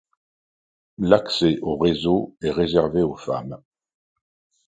L'accès au réseau est réservé aux femmes.